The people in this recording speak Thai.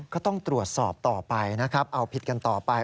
ก็ต้องตรวจสอบต่อไปนะครับเอาผิดกันต่อไป